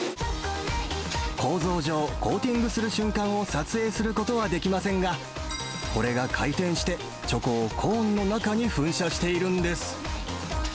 構造上、コーティングする瞬間を撮影することはできませんが、これが回転して、チョコをコーンの中に噴射しているんです。